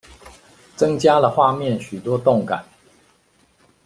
增加了畫面許多動感